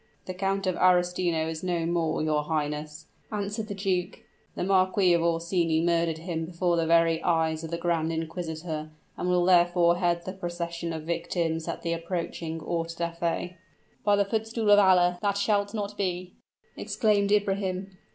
"The Count of Arestino is no more, your highness," answered the duke. "The Marquis of Orsini murdered him before the very eyes of the grand inquisitor, and will therefore head the procession of victims at the approaching auto da fe." "By the footstool of Allah! that shall not be!" exclaimed Ibrahim.